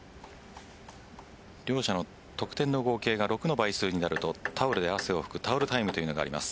両者の得点の合計が６の倍数になるとタオルで汗を拭くタオルタイムがあります。